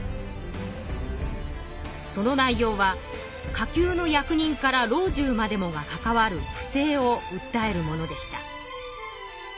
その内容は下級の役人から老中までもがかかわる不正をうったえるものでした。